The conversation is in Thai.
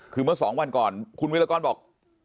คือเมื่อ๒วันก่อนคุณวิรากรบอก